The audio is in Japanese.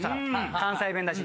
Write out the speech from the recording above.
関西弁だし。